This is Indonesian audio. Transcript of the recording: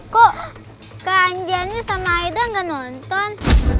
kok kak anjani sama aida gak nonton